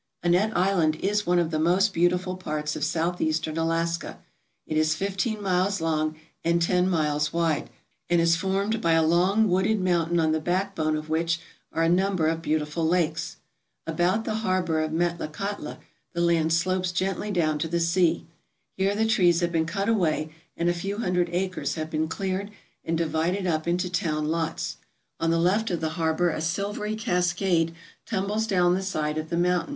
Annette Island is one of the most beautiful parts of Southeastern Alaska. It is fifteen miles long and ten miles wide, and is formed by a long wooded mountain on the backbone of which are a number of beautiful lakes. About the harbour of Metlakahtla the land slopes gently down to the sea. Here the trees have been cut away and a few hundred acres have been cleared and divided up into town lots. On the left of the harbour a silvery cascade tumbles down the side of the mountain.